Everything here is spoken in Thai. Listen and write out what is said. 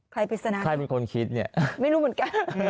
ใครปริศนากันไม่รู้เหมือนกันใครเป็นคนคิด